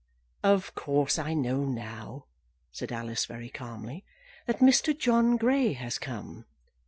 "Of course I know now," said Alice, very calmly, "that Mr. John Grey has come."